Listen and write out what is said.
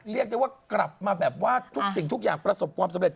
เรียกได้ว่ากลับมาแบบว่าทุกสิ่งทุกอย่างประสบความสำเร็